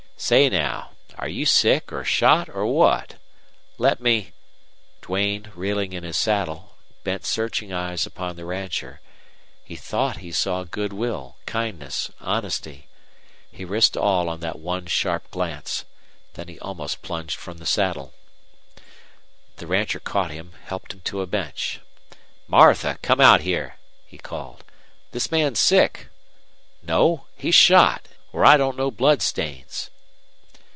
Say, now, air you sick or shot or what? Let me " Duane, reeling in his saddle, bent searching eyes upon the rancher. He thought he saw good will, kindness, honesty. He risked all on that one sharp glance. Then he almost plunged from the saddle. The rancher caught him, helped him to a bench. "Martha, come out here!" he called. "This man's sick. No; he's shot, or I don't know blood stains."